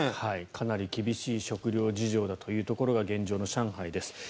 かなり厳しい食料事情だというところが現状の上海です。